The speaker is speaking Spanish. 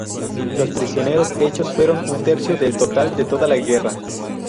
Los prisioneros hechos fueron un tercio del total de toda la guerra.